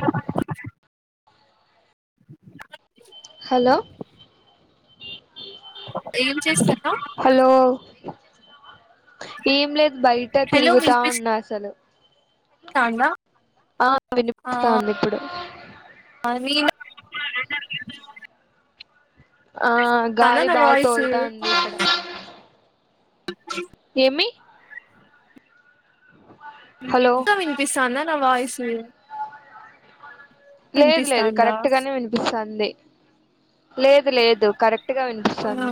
ఇకపై చేప్పచ్చ [unintelligible] హలో ఏం చేస్తార్ హలో ఏం లేద్ బయట హలో తిరుగుతా వినిపిస్తాందా ఉన్నా అసలు ఆ వినిపిస్తాంది ఇప్పుడు అ మీలో ఆ గాలి బాగా వాయిస్ తోలుతాంది ఇక్కడ అచ్ ఏమి హలో ఇంత విన్పిస్తాందా నా వాయిసు లేదు లేదు వినిపిస్తాందా కరెక్ట్ గానే వినిపిస్తంది లేదు లేదు కరెక్ట్ గా ఆ వినిపిస్తంది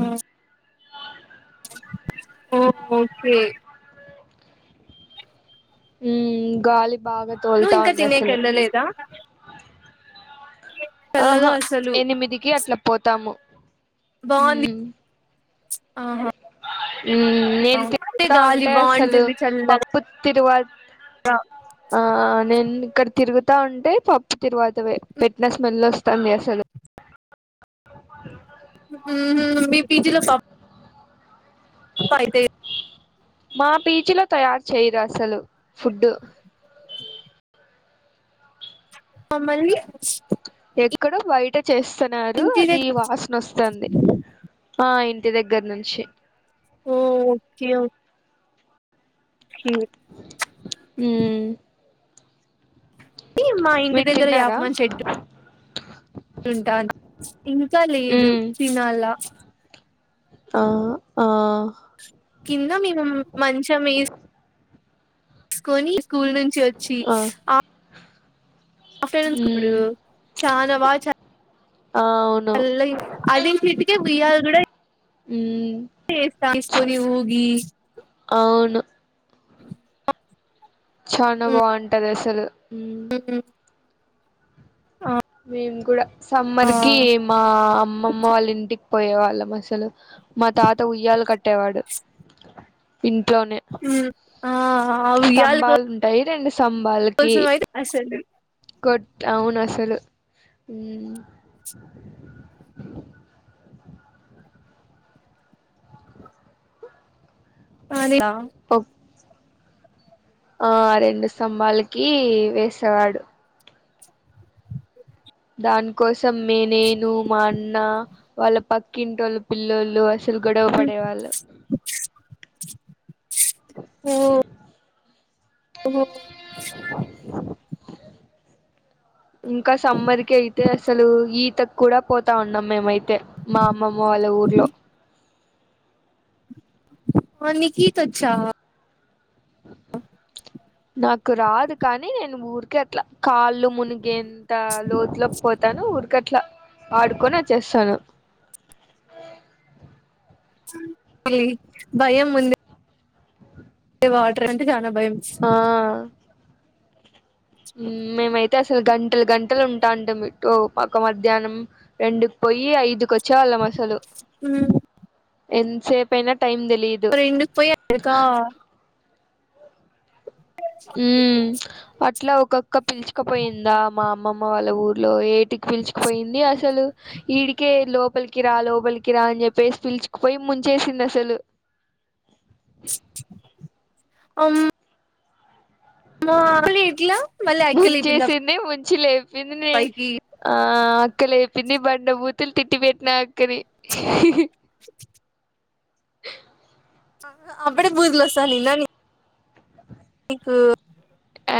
ఓ ఓకే ఉ గాలి బాగా నువ్వు ఇంకా తొలతాది తినేకి అస్సలు వెళ్ళలేదా చల్లగా ఆహా అసలు ఎనిమిదికి అట్ల పోతాము బాగుంది ఉహ్ ఆహా ఉ నేను అంటే తిరుగుతా గాలి ఉంటే అసలు బాగుంటుంది చల్లగా పప్పు తిరువాత్ ఆ నేన్ను అక్కడ తిరుగుతా ఉంటే పప్పు తిరువాత పె పెట్టిన స్మెల్ వస్తంది అసలు [unintelligible] ఉహు మీ బిజిలో పాప్ కయితే మా పీచ్ లో తయారు చేయరు అసలు ఫుడ్డు మమ్మల్ని స్ ఎక్కడో బయట చేస్తన్నారు ఇంటి అది దగ్గర వాసన వస్తంది ఆ ఇం టి దగ్గర్నుంచి ఓ ఓకే ఓకే ఉమ్ మా ఇంటి మీర్ తిన్నారా తింటాన్ ఇంకా లేదు మ్మ్ తినాలా ఆ ఆ కింద మేము మంచ మీ స్కొని స్కూల్ నుంచి వచ్చి ఆ ఆఫ్టర్నూన్స్ కూడా మ్మ్ చానా బాగా చ ఆ, అవును చల్లగా అదే కిటికీ ఉయ్యాల కూడా ఉమ్ చేస్తాం యేస్కొని ఊగి అవును చానా బాగుంటది అసలు మ్మ్ ఉమ్ మేము కూడా సమ్మర్ కి మా అమ్మమ్మ వాళ్ళ ఇంటికి పోయేవా ళ్ళం అసలు మా తాత ఉయ్యాలు కట్టేవాడు ఇంట్లోనే ఆ ఆ ఉయ్యాల స్తంభాలు ఉంటాయి రెండు స్తంభాలకి కోసం అయితే అసలు కొట్ అవును అసలు ఉమ్ ఆనీ ఓకే ఆ రెండు స్తంభాలకి వేసేవాడు దాని కోసం నేను మా అన్న వాళ్ళ పక్కింటోళ్ళ పిల్లో ల్లు అసలు గొడవ పడే వాళ్ళు ఓ ఓ ఇంకా సమ్మర్ కి అయితే అసలు ఈతకు కూడా పోతా ఉన్నాం మేమైతే తే మా అమ్మమ్మ వాళ్ళ ఊర్లో ఓ నీకి ఈత వచ్చా ఆ నాకు రాదు కానీ నేను ఊరికే అట్లా కాళ్ళు ముని గెంత లోతులోకి పోతాను ఊరిక అట్లా ఆడుకొని వచ్చేస్తాను మళ్ళీ భయం ముందే వాటర్ అంటే చానా భయం ఉమ్ మేమయి తే అసలు గంటలు గంటలు ఉంటాంటిమి ఒక మధ్యాహ్నం రెండు కి పోయి ఐదుకో చ్చేవాళ్ళం అసలు ఎంతసేపు అయినా టైమ్ తెలీదు రెండుకు పోయి అకా ఉమ్ అట్లా ఒక అక్క పిల్చుకపోయిందా మా అమ్మమ్మ వాళ్ళ ఊర్లో ఏ టికీ పిలిచికుపోయింది అసలు ఈడికే లోప లికిరా లోపలికిరా అని చెప్పేసి పిలిచుకుపోయి ముంచేసింది అసలు అ మ్మో మరి ఎట్లా మళ్ళీ ఆయక్కే లేపింది వచ్చి లేపింది పైకి ఆ అక్కలేపింది బండ బూతులు తిట్టి పెట్టిన ఆ అక్కనీ ఆ అప్పుడే బూతులు వస్తానిన్నా నీకు.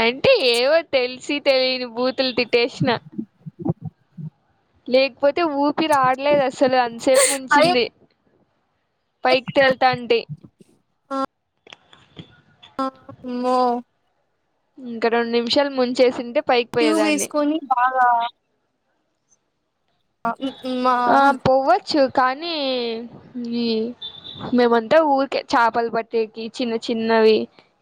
అంటే ఏవో తెలిసి తెలియని బూతులు తిట్టేసిన. లేకపోతే ఊపి రాడలేదు అసలు అంతసేపు ముంచింది. పైకి తేల్తాంది. ఆ అమ్మో ఇంకా రెండు నిమిషాలు ముంచేసింటే. పైకి ట్యూబ్ పోయేదాన్ని వేసుకొని బాగా. మా ఆ పోవచ్చు కానీ ఈ. మేమంతా ఊరికే చేపల పట్టేకి చిన్న చిన్నవి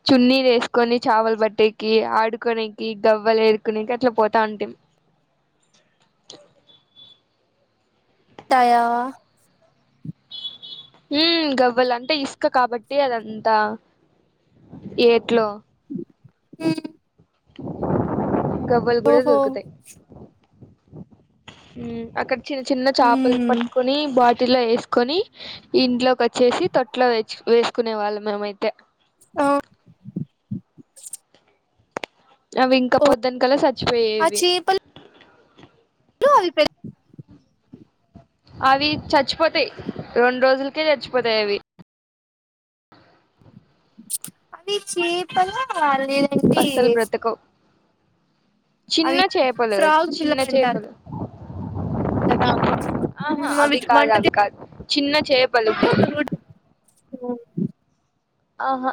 చున్నీ వేసుకొని చేపల. బట్టేకి ఆడుకోనేనికి గవ్వలు వరుకనేనికి అట్లా పోతా ఉంటాం. [unintelligible] ఉంటాయా. హ్మ్ గవ్వలు అంటే ఇసుక కాబట్టి అదంతా ఏట్లో. హ్మ్ గవ్వలు కూడా ఓహో దొరుకుతాయి, హ్మ్ అక్కడ. చిన్న చిన్న చేపలు ఉమ్ పట్టుకుని బాటి. ఇందులో వేసుకొని ఇంట్లోకి వచ్చేసి తొట్లో తెచ్చి వేసుకునే వాళ్ళం మేమైతే. ఆ అవి ఇంకా ఓ పొద్దునికలా ఆ చచ్చిపోయేవి. చేపలు [unintelligible] అది చచ్చిపోతాయి రెండు రోజులకే చచ్చిపోతాయి అవి. అది చేపల నేనంటి అస్సలు బ్రతకవు చిన్న చేపలు ఫ్రాగ్ చిన్న పిల్లలు అంటారు చేపలు. కదా ఆహా ఉమ్ అవి కాదు వంట అవి కాదు చిన్న చేప. [unintelligible] ఆహా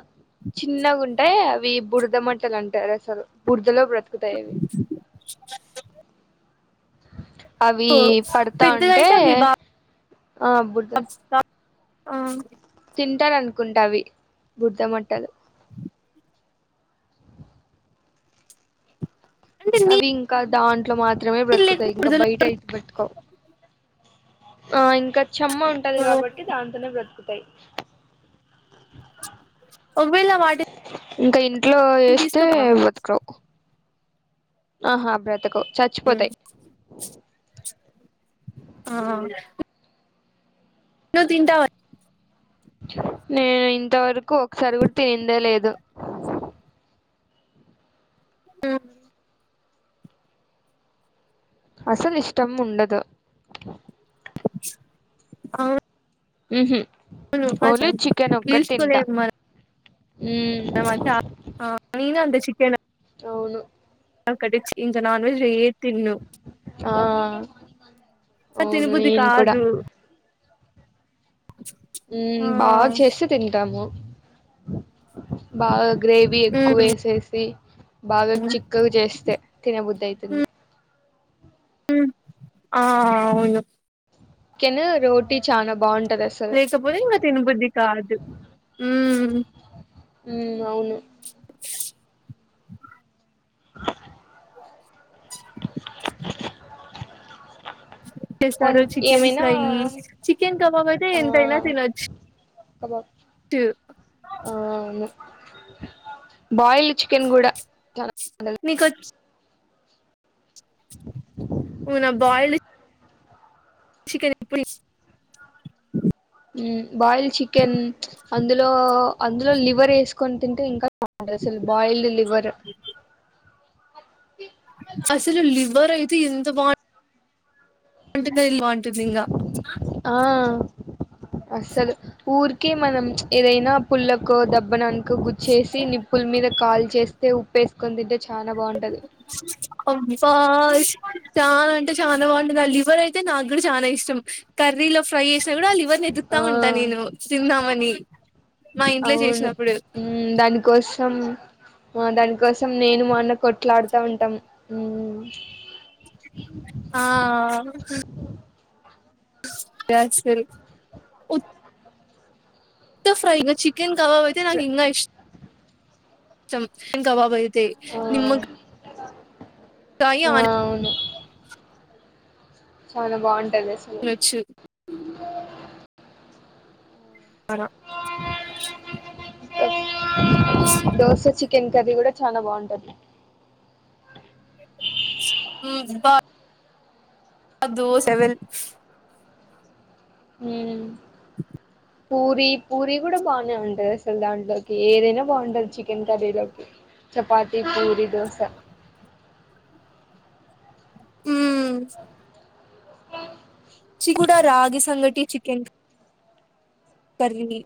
చిన్నగా ఉంటే అవి బురదమట్టలు అంటారు. అసలు బుర. ఇందులో బ్రతుకుతా ఇవి. ఉంటే ఆ బురద [unintelligible] ఆ తింటాల అనుకుంటా అవి బురద మట్టలు. అంటే అవి ఇంకా దాంట్లో మాత్రమే నీళ్ళు బ్రతుకుతాయి లేకుండా ఇంకా బురదలో బయట అయితే బ్రతుకౌ. ఆ ఇంకా చెమ్మా ఉంటది. కాబట్టి దాంతోనే బ్రతుకుతాయి. ఒకవేళ వాటి. ఇంకా ఇంట్లో వేస్తే బతకవు. ఆహా బ్రతుకౌ. హ్మ్, ఆహా నువ్వు తింటావతే. నేను ఇంతవరకు ఒకసారి కూడా తనిందే లేదు. [unintelligible] అసలు ఇష్టంమ్ ఉండదు. అవున్ ఉహు ఓన్లీ చికెన్ ఒక్కటి తింటా. ఉమ్ తర్వాత ఆ నేను అంత చికెన్. అవును ఒక టిచ్ ఇంత నాన్వెజ్ లో ఏది తిను. ఆ అవును తినబుది నేను కూడా కాదు. ఆ ఉమ్మ్ బాగా చేస్త తింటాము. బాగా గ్రేవీ ఎక్కువ మ్మ్ వేసేసి. బాగా చిక్కగ చేస్తే తినేబుద్ధి అయితది. మ్ ఆ ఆవును శనగ రోటీ చానా బాగుంట లేకపోతే ఇక తినబుద్దీ కాదు. మ్ అవును. ప్చ్ [unintelligible] వన్ చేస్తారు చికెన్ ఏమైనా ఫ్రై, చికెన్ కబాబ్ అయితే ఆ ఎంతైనా తినొచ్చు. కబాబ్. టూ బయిల్డ్ చికెన్ కూడా. చాలా బాగుంటది. నీ కో నువు నా బాయిల్డ్. Chicken leg piece. మ్ బాయిల్ చికెన్ అందులో అందులో లివర్ వేసుకొని తింటే ఇంకా. అది అసల్ బయిల్డ్ లివర్. అసలు లివర్ అయితే ఎంత బావు ఉంటుంది ఇల్ బావుంటది ఇంగా. అసలు ఊరికే మనం ఏదైనా పుల్లకో, దెబ్బనా ఇంక గుచ్చేసి, నిప్పుల మీద కాల్చేస్తే ఉప్పేసుకని తింటే చానా బాగుంటది అబ్బా చాలా అంటే చాలా బాగుంటుంది ఆ లివర్ అయితే నాకు కూడా చాలా ఇష్టం. కాని ఆయిల్ లో ఫ్రై చేసినా కూడా లివర్ని ఎతుకుతా ఆ ఉంటా నేను తిందామని. మా ఇంట్లో అవును చేసినప్పుడు మ్ దానికోసం మొత్తం దానికోసం నేను, మా అన్న కొట్లాడుతా ఉంటాం. మ్ ఆ అ డాన్స్ తెరేకు. ఉత్త ఫ్రైగా చికెన్ కబాబ్ అయితే నాకు ఇంకా ఇష్ ష్టం చికెన్ కబాబ్ అయితే. ఆ అయితే నిమ్మ ఆ అవును చాలా బాగుంటది అసలు. ఆనియనొచ్చు చానా దోశ చికెన్ కర్రి కూడా చాల బాగుంటది. మ్ అబ్బా అ దోస ఎవరిది. నేనే ఉ పూరీ, పూరీ కూడా బానే ఉంటది అసలు దాంట్లోకి ఏదైనా బాగుంటది. చికెన్ కర్రీలోకి. చపాతి, పూరీ, దోశ మ్ [unintelligible] చిగుడ రాగి సంగటి చికెన్. కర్వి మి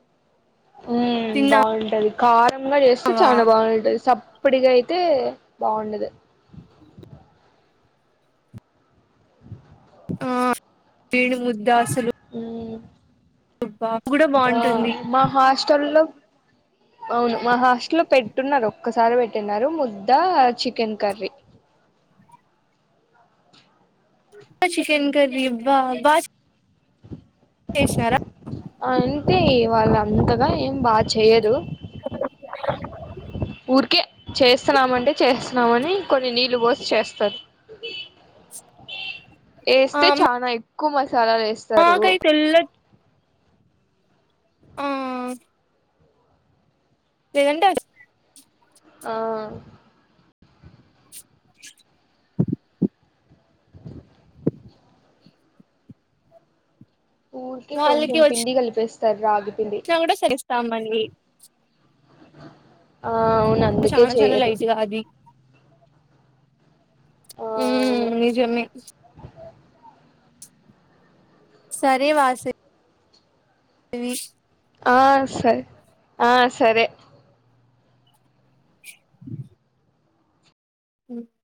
ఉమ్ బాగుంటది కారంగా చేస్తే చాలా బాగుంటది సప్ ఇప్పుడిగ అయితే బాగుండదు. ఆ తేనె ముద్ద అసలు. మ్ అబ్బ ఆ మ హాస్టల్ లో [unintelligible] అవును మా హాస్టల్లో లో పెట్టున్నారు ఒక్కసారి పెట్టిన ముద్ద చికెన్ కర్రీ ఆ చికెన్ కీ అబ్బా [unintelligible] వేసినారా అంటే వాళ్ళ అంతగా ఏం బాగా చేయర ఊరికే చేస్తున్నామంటే చేస్తున్నామని కొన్ని నీళ్ళు పోసి చేస్తారు ఆ ఏస్తే చనా ఎక్కువ మం చాలా వేస్తారు మాకైతే తెల్ల హమ్ లేదంటే అది ఆ [inaudible] ఊరికే కొంచెం పిండి కలిపేస్తారు రాగి పిండి వచ్చినకూడా సరిస్తాంమండి ఆ అవును అందుకే చాలా చాలా చెయ్యరు లైట్ గా అది ఆ హా అవును నిజమే సరే వాసీ వాసవి ఆ సరే ఆ సరే [inaudible] [unintelligible] హు